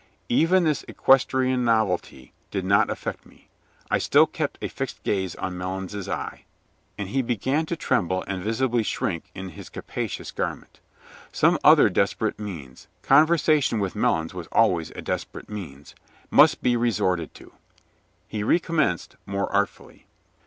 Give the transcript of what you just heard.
Even this equestrian novelty did not affect me. I still kept a fixed gaze on Melons's eye, and he began to tremble and visibly shrink in his capacious garment. Some other desperate means conversation with Melons was always a desperate means must be resorted to. He recommenced more artfully.